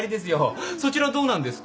そちらはどうなんですか？